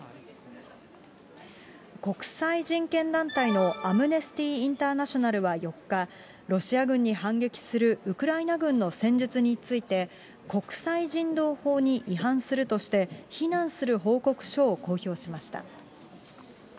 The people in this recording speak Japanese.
国際人権団体のアムネスティインターナショナルは４日、ロシア軍に反撃するウクライナ軍の戦術について、国際人道法に違反するとして、非難する報告書を公表しました。